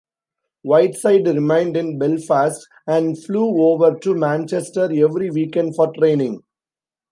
Whiteside remained in Belfast, and flew over to Manchester every weekend for training.